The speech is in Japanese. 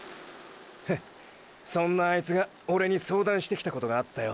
フッそんなあいつがオレに相談してきたことがあったよ。